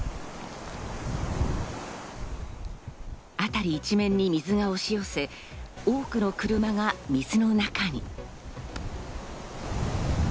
辺り一面に水が押し寄せ、多くの車が水の中に。